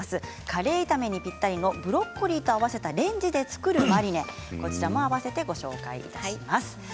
カレー炒めにぴったりのブロッコリーと合わせたレンジで作るマリネもご紹介します。